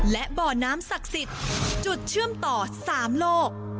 และบ่อน้ำศักดิ์สิทธิ์จุดเชื่อมต่อ๓โลก